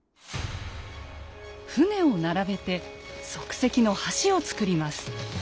舟を並べて即席の橋をつくります。